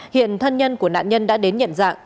hiện thân nhân của nạn nhân đã đến nhận dạng